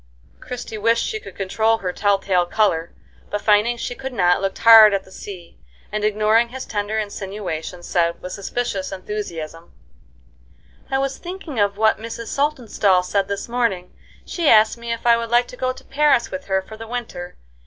Christie wished she could control her tell tale color, but finding she could not, looked hard at the sea, and, ignoring his tender insinuation, said, with suspicious enthusiasm: "I was thinking of what Mrs. Saltonstall said this morning. She asked me if I would like to go to Paris with her for the winter.